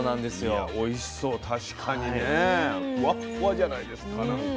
いやおいしそう確かにねふわっふわじゃないですかなんか。